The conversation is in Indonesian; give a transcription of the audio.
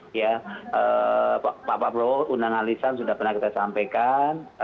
pak pablo undang undang alisan sudah pernah kita sampaikan